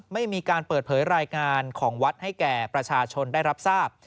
ไม่มีการเปิดเผยรายงานของวัดให้แก่ประชาชนได้รับทราบ